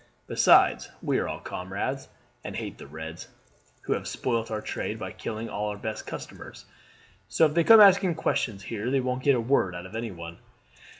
Besides, we are all comrades, and hate the Reds, who have spoilt our trade by killing all our best customers, so if they come asking questions here they won't get a word out of anyone."